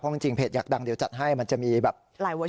เพราะจริงเพจอยากดังเดี๋ยวจัดให้มันจะมีแบบ